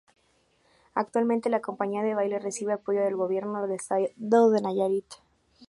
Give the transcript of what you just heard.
Actualmente, la compañía de baile recibe apoyo del gobierno del estado de Nayarit.